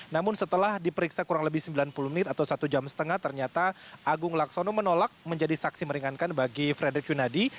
namun setelah diperiksa kurang lebih sembilan puluh menit atau satu jam setengah ternyata agung laksono menolak menjadi saksi meringankan bagi frederick yunadi